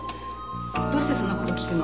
どうしてそんな事を聞くの？